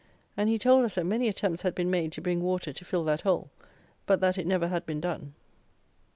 And he told us that many attempts had been made to bring water to fill that hole, but that it never had been done.